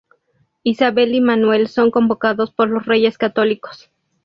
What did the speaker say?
Isabel y Manuel son convocados por los Reyes Católicos.